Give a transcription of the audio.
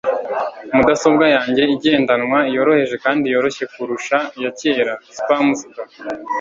Mudasobwa yanjye igendanwa yoroheje kandi yoroshye kurusha iyakera (Spamster)